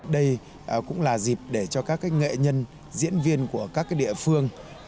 đây cũng là dịp để cho các nghệ nhân diễn viên của các địa phương